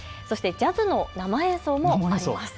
ジャズの生演奏もあります。